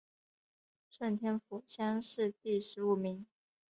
顺天府乡试第十五名。